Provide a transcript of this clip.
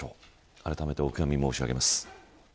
あらためてお悔やみ申し上げます。